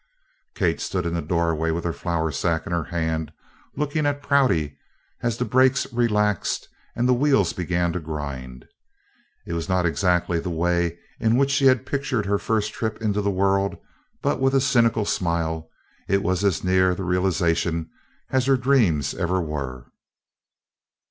Kate stood in the doorway with her flour sack in her hand looking at Prouty as the brakes relaxed and the wheels began to grind. It was not exactly the way in which she had pictured her first trip into the world, but, with a cynical smile, it was as near the realization as her dreams ever were.